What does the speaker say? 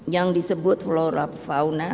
yang disebut flora fauna